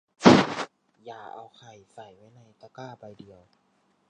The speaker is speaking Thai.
อย่าเอาไข่ใส่ไว้ในตะกร้าใบเดียว